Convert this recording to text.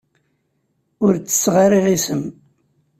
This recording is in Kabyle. Ur ttesseɣ ara iɣisem.